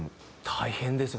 大変ですよ。